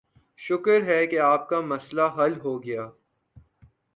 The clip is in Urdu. شکر ہے کہ آپ کا مسئلہ حل ہوگیا۔